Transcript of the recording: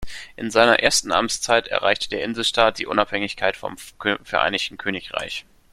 In seiner ersten Amtszeit erreichte der Inselstaat die Unabhängigkeit vom Vereinigten Königreich.